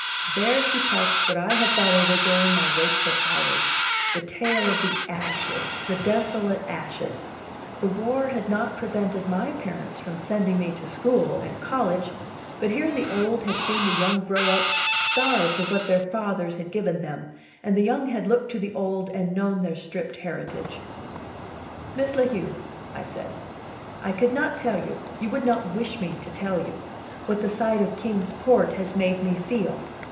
There she touched what I had thought over during my wakeful hours: the tale of the ashes, the desolate ashes! The war had not prevented my parents from sending me to school and college, but here the old had seen the young grow up starved of what their fathers had given them, and the young had looked to the old and known their stripped heritage. "Miss La Heu," I said, "I could not tell you, you would not wish me to tell you, what the sight of Kings Port has made me feel.